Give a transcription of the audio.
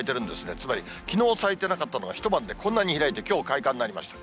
つまり、きのう咲いてなかったのが、一晩でこんなに開いてきょう開花になりました。